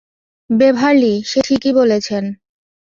Beverly, সে ঠিকই বলেছেন।